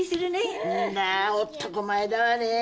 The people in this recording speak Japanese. んだぁおっとこ前だわねぇ。